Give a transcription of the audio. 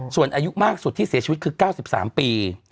ส่วนอายุมากสุดที่เสียชีวิตคือ๙๓ปี